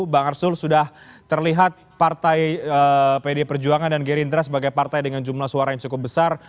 bang arsul sudah terlihat partai pd perjuangan dan gerindra sebagai partai dengan jumlah suara yang cukup besar